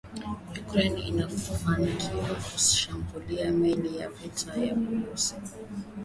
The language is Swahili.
Ukraine yafanikiwa kuzishambulia meli za kivita za urusi.